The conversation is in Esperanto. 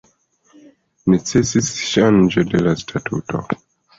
Necesis ŝanĝo de la statuto.